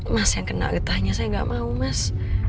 mas yang kena getahnya saya nggak mau mas